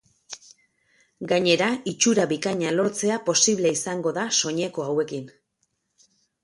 Gainera, itxura bikaina lortzea posible izango da soineko hauekin.